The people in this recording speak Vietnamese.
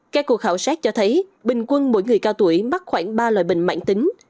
các cuộc khảo sát cho thấy bình quân mỗi người cao tuổi mắc khoảng ba loại bệnh mạng tính